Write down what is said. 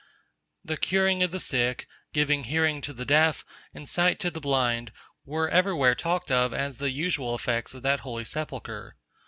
The curing of the sick, giving hearing to the deaf, and sight to the blind, were every where talked of as the usual effects of that holy sepulchre.